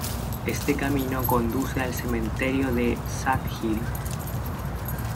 Este camino conduce al cementerio de Sad Hill.